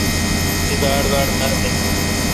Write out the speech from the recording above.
تی باڑباڑ مربینی